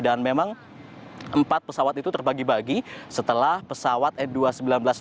dan memang empat pesawat itu terbagi bagi setelah pesawat n dua ratus sembilan belas nurtanio